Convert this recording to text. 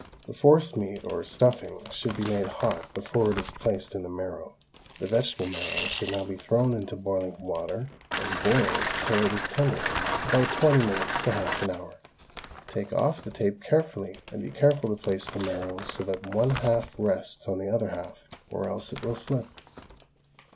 The forcemeat or stuffing should be made hot before it is placed in the marrow. The vegetable marrow should now be thrown into boiling water and boiled till it is tender, about twenty minutes to half an hour. Take off the tape carefully, and be careful to place the marrow so that one half rests on the other half, or else it will slip.